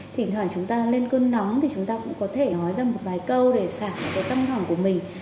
thỉnh thoảng chúng ta lên cơn nóng thì chúng ta cũng có thể hói ra một vài câu để xảy ra cái tâm thầm của mình